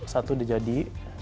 satu sudah jadi